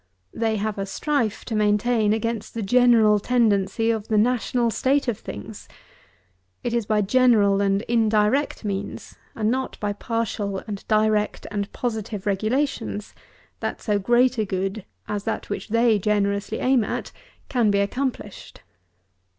They have a strife to maintain against the general tendency of the national state of things. It is by general and indirect means, and not by partial and direct and positive regulations, that so great a good as that which they generously aim at can be accomplished.